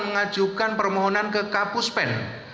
mengajukan permohonan ke kapuspen